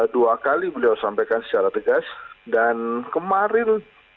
dua kali beliau sampaikan secara tegas dan kemarin